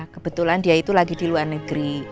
kebetulan dia itu lagi di luar negeri